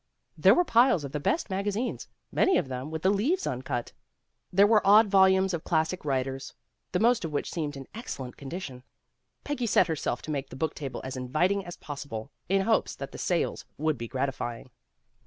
There were piles of the best magazines, many of them with the leaves un cut. There were odd volumes l of classic writers, the most of which seemed in excellent condition. Peggy set herself to make the book table as inviting as possible, in hopes that the sales would be gratifying.